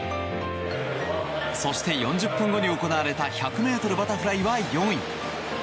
そして、４０分後に行われた１００ｍバタフライは４位。